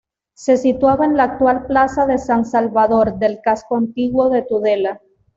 Se situaba en la actual Plaza de San Salvador del Casco Antiguo de Tudela.